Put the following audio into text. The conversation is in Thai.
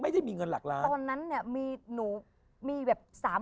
ทำไมเธอกล้าไปซื้อบ้าน